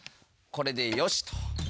これでよしっと！